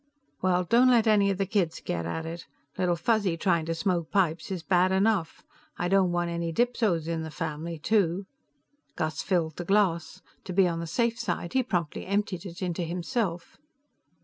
"Well, don't let any of the kids get at it. Little Fuzzy trying to smoke pipes is bad enough; I don't want any dipsos in the family, too." Gus filled the glass. To be on the safe side, he promptly emptied it into himself.